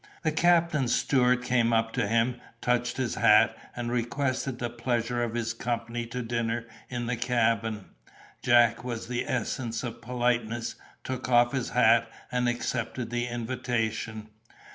The captain's steward came up to him, touched his hat, and requested the pleasure of his company to dinner in the cabin. Jack was the essence of politeness, took off his hat, and accepted the invitation.